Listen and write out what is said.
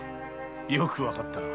よくわかったな。